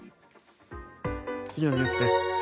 次のニュースです。